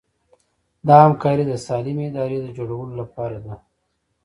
دا همکاري د سالمې ادارې د جوړولو لپاره ده.